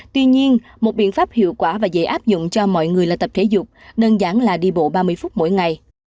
tuy nhiên một biện pháp hiệu quả và dễ áp dụng cho mọi người là tập thể dục đơn giản là đi bộ ba mươi phút mỗi ngày